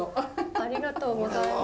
ありがとうございます。